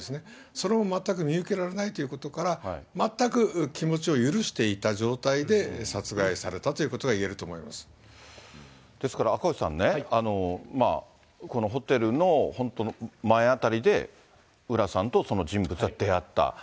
それも全く見受けられないということから、全く気持ちを許していた状態で殺害されたということがいえると思ですから赤星さんね、このホテルの本当の、前辺りで、浦さんとその人物は出会った。